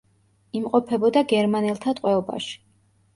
იმყოფებოდა გერმანელთა ტყვეობაში.